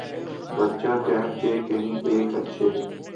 'بجا کہا کہ کئی ایک اچھے